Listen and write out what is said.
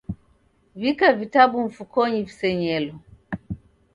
W'ika vitabu mfukonyi visenyelo